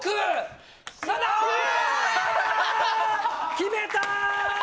決めたー！